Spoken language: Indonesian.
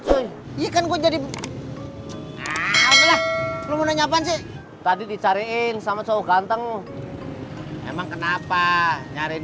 cuy iya kan gue jadi belum nanya apaan sih tadi dicariin sama cowok ganteng emang kenapa nyariin